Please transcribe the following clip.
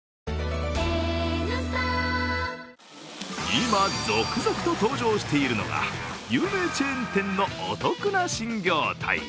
今、続々と登場しているのが有名チェーン店のお得な新業態。